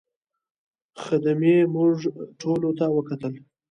خدمې موږ ټولو ته وکتل.